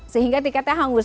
sehingga tiketnya hangus